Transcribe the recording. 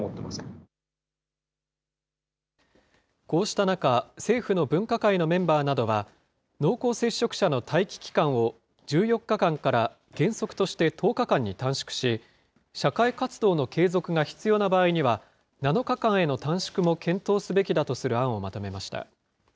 こうした中、政府の分科会のメンバーなどは、濃厚接触者の待機期間を１４日間から原則として１０日間に短縮し、社会活動の継続が必要な場合には、７日間への短縮も検討すべきだとする案をまとめました。